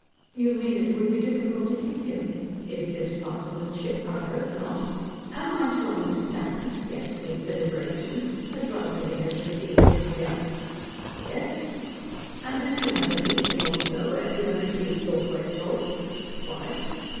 "You mean it would be difficult to kick him? Is this partisanship? I hope not. Am I to understand," he added with deliberation, "that Rosalie has received him here?" "Yes." "And that you have received him, also as you have received Lord Westholt?" "Quite."